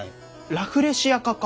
ラフレシア科か。